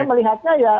saya melihatnya ya